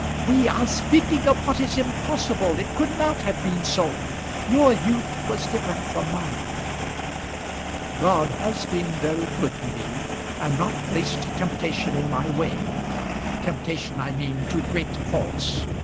"We are speaking of what is impossible. It could not have been so. Your youth was different from mine." "God has been very good to me, and not placed temptation in my way; temptation, I mean, to great faults.